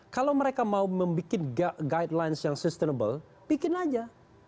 kalau mereka mau membuat guidelines yang sustainable bikin aja